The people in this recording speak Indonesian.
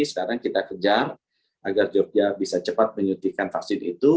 sekarang kita kejar agar jogja bisa cepat menyuntikkan vaksin itu